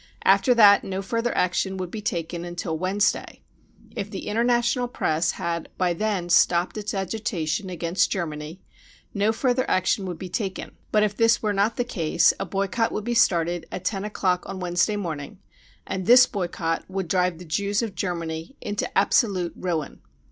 After that no further action ""would be taken until Wednesday. If the inter national press had by then stopped its agitation against Germany no further action would be taken, but if this were not the case, a boycott would be started at ten o'clock on Wednesday morning and this boycott would drive the Jews of Germany into absolute ruin.